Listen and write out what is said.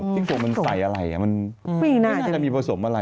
ซีอิ๊วมันใส่อะไรมันน่าจะมีผสมอะไร